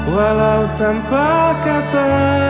walau tanpa kata